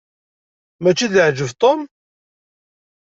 Mačči d leɛjeb Tom?